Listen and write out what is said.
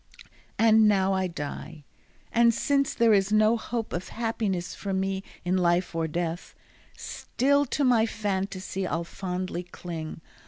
And now I die, and since there is no hope Of happiness for me in life or death, Still to my fantasy I'll fondly cling.